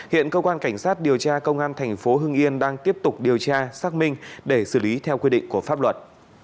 hiện cơ quan cảnh sát điều tra công an thành phố hưng yên đang tiếp tục điều tra xác minh để xử lý theo quy định của pháp luật